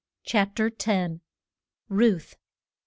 ] CHAPTER X. RUTH.